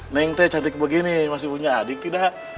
neng teh cantik begini masih punya adik tidak